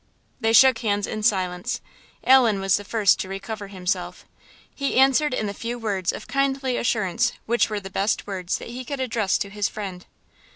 They shook hands in silence. Allan was the first to recover himself. He answered in the few words of kindly assurance which were the best words that he could address to his friend.